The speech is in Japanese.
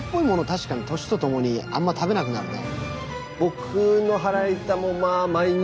確かに年とともにあんま食べなくなるね。